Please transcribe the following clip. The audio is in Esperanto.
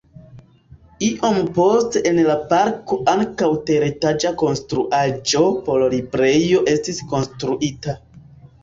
Iom poste en la parko ankaŭ teretaĝa konstruaĵo por librejo estis konstruita.